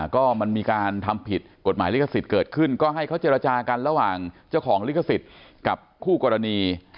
ก็มันมีการทำผิดกฎหมายลิขสิทธิ์เกิดขึ้นก็ให้เขาเจรจากันระหว่างเจ้าของลิขสิทธิ์กับคู่กรณี